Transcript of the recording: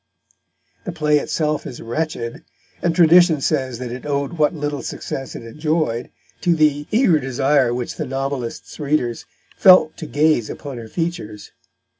The play itself is wretched, and tradition says that it owed what little success it enjoyed to the eager desire which the novelist's readers felt to gaze upon her features.